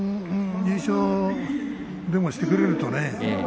優勝でもしてくれればね。